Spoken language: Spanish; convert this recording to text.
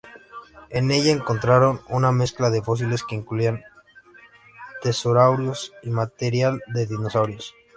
En ella encontraron una mezcla de fósiles que incluían pterosaurios y material de dinosaurios.